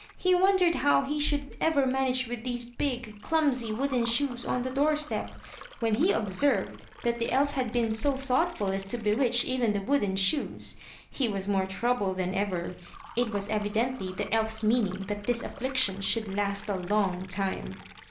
He wondered how he should ever manage with these big, clumsy wooden shoes on the door step. When he observed that the elf had been so thoughtful as to bewitch even the wooden shoes, he was more troubled than ever. It was evidently the elf's meaning that this affliction should last a long time.